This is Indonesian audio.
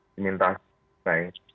yang diminta sungai